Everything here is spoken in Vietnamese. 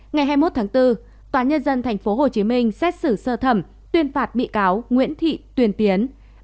ngày hai mươi một tháng bốn tòa nhân dân tp hcm xét xử sơ thẩm tuyên phạt bị cáo nguyễn thị tuyền tiến